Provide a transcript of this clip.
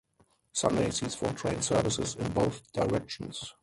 Sunday sees four train services in both directions.